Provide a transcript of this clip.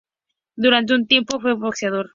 Durante un tiempo, fue boxeador.